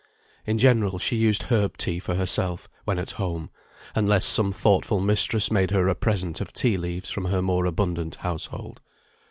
In general, she used herb tea for herself, when at home, unless some thoughtful mistress made her a present of tea leaves from her more abundant household.